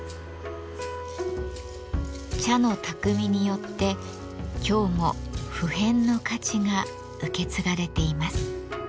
茶の匠によって今日も不変の価値が受け継がれています。